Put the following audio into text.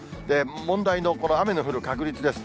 問題のこの雨の降る確率です。